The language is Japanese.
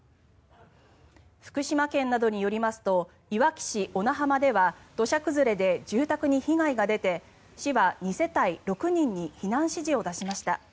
福島県などによりますといわき市小名浜では土砂崩れで住宅に被害が出て市は２世帯６人に避難指示を出しました。